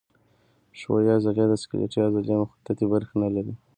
ښویې عضلې د سکلیټي عضلې مخططې برخې نه لري.